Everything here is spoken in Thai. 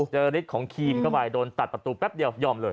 ฤทธิ์ของครีมเข้าไปโดนตัดประตูแป๊บเดียวยอมเลย